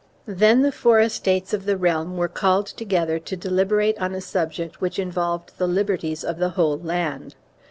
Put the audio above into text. Then the Four Estates of the realm were called together to deliberate on a subject which involved the liberties of the whole land.